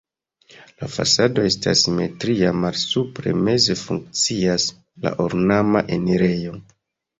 La fasado estas simetria, malsupre meze funkcias la ornama enirejo.